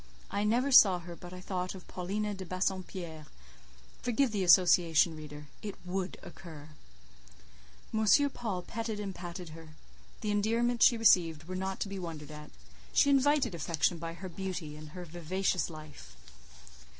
I never saw her, but I thought of Paulina de Bassompierre: forgive the association, reader, it would occur. M. Paul petted and patted her; the endearments she received were not to be wondered at; she invited affection by her beauty and her vivacious life.